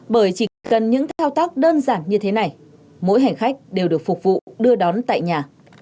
bởi chỉ cần những thao tác đơn giản như thế này mỗi hành khách đều được phục vụ đưa đón tại nhà